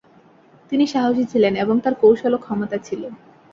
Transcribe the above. তিনি সাহসী ছিলেন এবং তাঁর কৌশল ও ক্ষমতা ছিল।